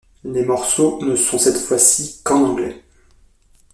Les morceaux ne sont cette fois-ci qu'en Anglais.